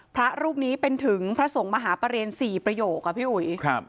พระรูปนี้เป็นถึงพระสงฆ์มหาประเรียน๔ประโยคอะพี่อุ๋ยครับ